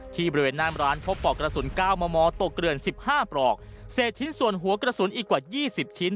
ที่บริเวณหน้ามร้านพบปอกกระสุน๙มตกเกลื่อน๑๕ปลอกเสศทิ้นส่วนหัวกระสุนอีกกว่า๒๐ชิ้น